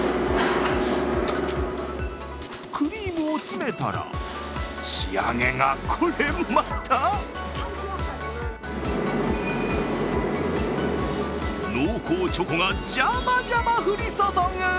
クリームを詰めたら、仕上げがこれまた濃厚チョコがジャバジャバ降り注ぐ。